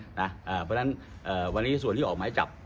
เพราะฉะนั้นวันนี้ส่วนที่ออกหมายจับ